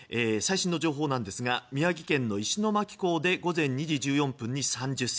最新の情報ですが宮城県の石巻港で午前２時１４分に３０ｃｍ。